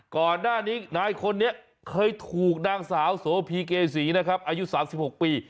ก่อนหน้านี้นายคนนี้เคยถูกนางสาวโสพีเกษีนะครับอายุ๓๖ปี